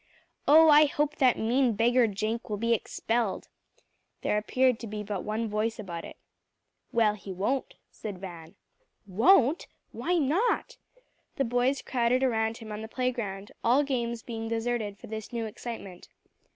"Oh, I hope that mean beggar Jenk will be expelled." There appeared to be but one voice about it. "Well, he won't," said Van. "Won't? Why not?" The boys crowded around him on the playground, all games being deserted for this new excitement.